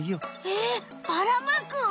えっバラまく？